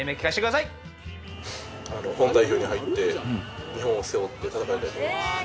日本代表に入って日本を背負って戦いたいと思います。